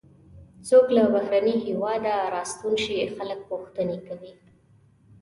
څوک له بهرني هېواده راستون شي خلک پوښتنې کوي.